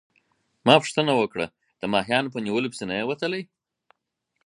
ما پوښتنه وکړه: د ماهیانو په نیولو پسي نه يې وتلی؟